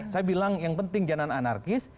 saya bilang yang penting jangan anarkis